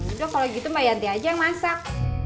udah kalau gitu mbak yanti aja yang masak